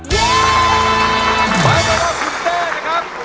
หมายความว่าคุณเต้นะครับ